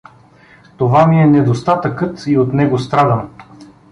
Това ми е недостатъкът и от него страдам.